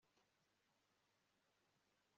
iyo nyamaswa yo mu ijuru